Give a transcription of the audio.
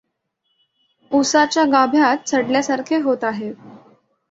उसाच्या गाभ्यात सडल्यासारखे होत आहे.